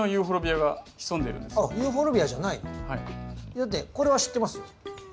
だってこれは知ってますよ。